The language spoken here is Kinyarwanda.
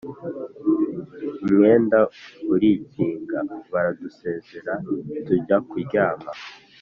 umwenda urikinga, baradusezerera tujya kuryama.